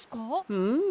うん。